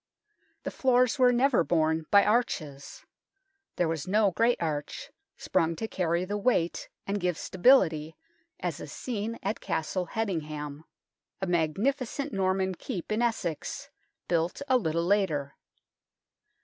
The floors were never borne by arches. There was no great arch, sprung to carry the weight and give stability, as is seen at Castle Hedingham, a magnificent Norman keep in Essex, built a little later.